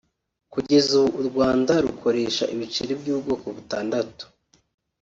Kugeza ubu u Rwanda rukoresha ibiceli by’ubwoko butandatu